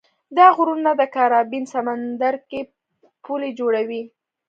دا غرونه د کارابین سمندرګي پولې جوړوي.